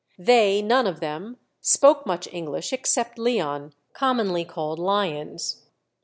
They none of them spoke much English except Leon, commonly called Lyons.